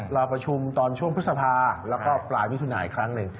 เราประชุมตอนช่วงพฤษภาแล้วก็ปลายมิถุนายอีกครั้งหนึ่ง